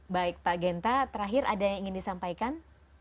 baik pak genta terakhir ada yang ingin disampaikan